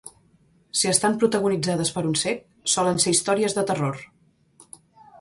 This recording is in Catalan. Si estan protagonitzades per un cec, solen ser històries de terror.